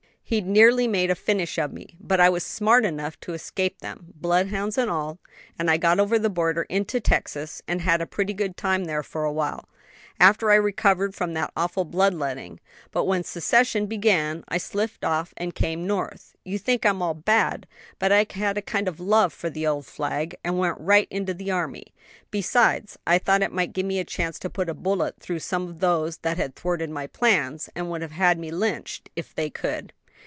"He'd nearly made a finish of me, but I was smart enough to escape them, bloodhounds and all. I got over the border into Texas; had a pretty good time there for awhile after I recovered from that awful blood letting; but when secession began, I slipped off and came North. You think I'm all bad; but I had a kind of love for the old flag, and went right into the army. Besides, I thought it might give me a chance to put a bullet through some o' those that had thwarted my plans, and would have had me lynched, if they could."